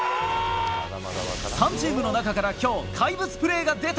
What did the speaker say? ３チームの中から今日怪物プレーが出た！